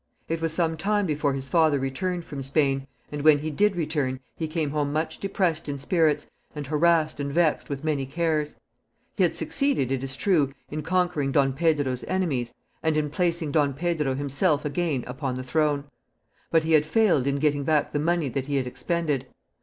It was some time before his father returned from Spain, and when he did return he came home much depressed in spirits, and harassed and vexed with many cares. He had succeeded, it is true, in conquering Don Pedro's enemies, and in placing Don Pedro himself again upon the throne; but he had failed in getting back the money that he had expended.